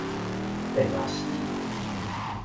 便若是